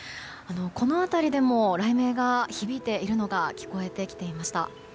この辺りでも雷鳴が響いているのが聞こえてきていました。